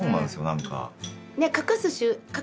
何か。